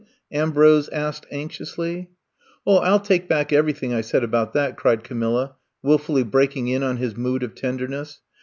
Am brose asked anxiously. 0h, I '11 take back everything I said about that !'' cried Camilla, wilfully break ing in on his mood of tenderness.